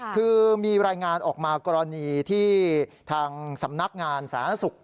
คือมีรายงานออกมากรณีที่ทางสำนักงานสาธารณสุข